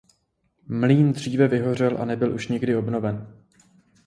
Mlýn dříve vyhořel a nebyl už nikdy obnoven.